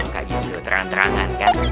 gak jujur terang terangan kan